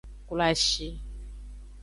Kloashi.